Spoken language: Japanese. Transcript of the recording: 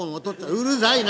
「うるさいな！